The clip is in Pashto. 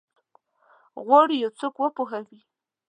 غواړي یو څوک وپوهوي؟